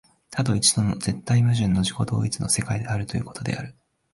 多と一との絶対矛盾の自己同一の世界であるということである。